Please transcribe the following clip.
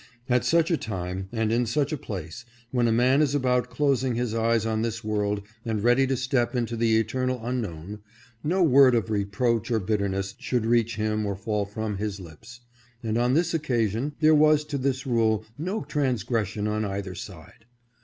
At such a time, and in such a place, when a man is about closing his eyes on this world and ready to step into the eternal unknown, no word of reproach or bitterness should reach him or fall from his lips ; and on this occasion there was to this rule no trans gression on either side.